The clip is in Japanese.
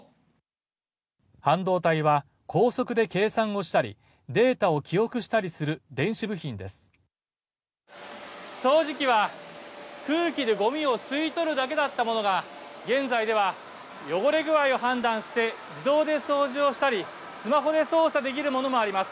半導体は高速で計算をしたり、データを記憶したりする電子部品掃除機は空気でゴミを吸い取るだけだったものが、現在では汚れ具合を判断して、自動で掃除をしたり、スマホで操作できるものもあります。